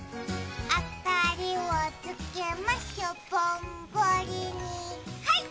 明かりをつけましょぼんぼりに。はいっ！